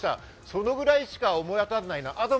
それぐらいしか思い当たらないなと。